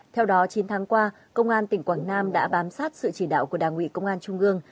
theo đó chín tháng qua công an tỉnh quảng nam đã bám sát sự chỉ đạo của đảng ủy công an trung gương